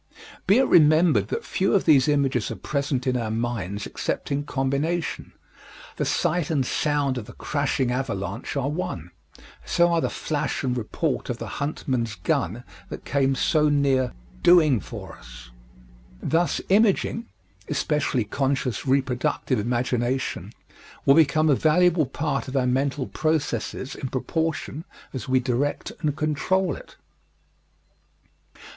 Be it remembered that few of these images are present in our minds except in combination the sight and sound of the crashing avalanche are one; so are the flash and report of the huntman's gun that came so near "doing for us." Thus, imaging especially conscious reproductive imagination will become a valuable part of our mental processes in proportion as we direct and control it.